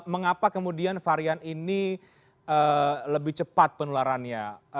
mengapa kemudian varian ini lebih cepat penularannya